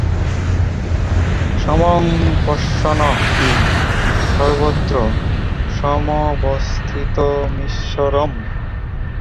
সমং পশ্যন হি সর্বত্র সমবস্থিতমীশ্বরম্।